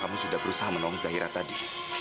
kami sudah berusaha menolong zahira tadi